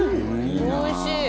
おいしい。